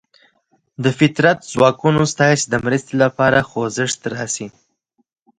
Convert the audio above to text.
د فطرت ځواکونه ستاسې د مرستې لپاره خوځښت راشي.